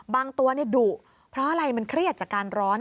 บางตัวดุเพราะอะไรมันเครียดจากการร้อน